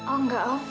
oh enggak om